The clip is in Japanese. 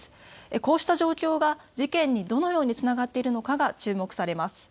こうした状況が事件にどのようにつながっているのかが注目されます。